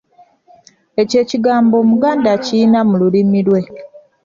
Ekyo ekigmbo Omuganda akirina mu lulimi lwe.